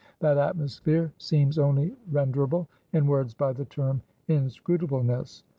That atmosphere seems only renderable in words by the term Inscrutableness.